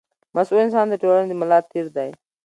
مسوول انسان د ټولنې د ملا تېر دی.